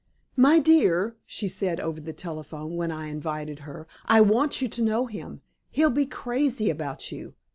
"My dear," she said over the telephone, when I invited her, "I want you to know him. He'll be crazy about you.